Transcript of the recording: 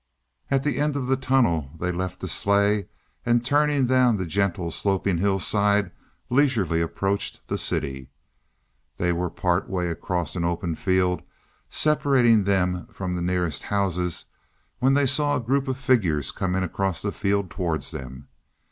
At the end of the tunnel they left the sleigh, and, turning down the gentle sloping hillside, leisurely approached the city. They were part way across an open field separating them from the nearest houses, when they saw a group of figures coming across the field towards them.